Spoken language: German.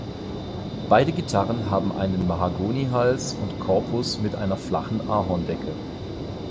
Beide Gitarren haben einen Mahagoni Hals und Korpus mit einer flachen Ahorn-Decke.